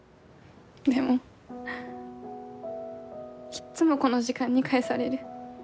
でもいっつもこの時間に帰される。